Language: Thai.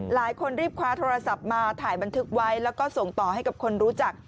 หลายคนรีบคว้าโทรศัพท์มาถ่ายบันทึกไว้แล้วก็ส่งต่อให้กับคนรู้จัก